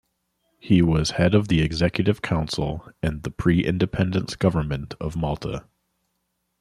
He was head of the executive council and the pre-independence government of Malta.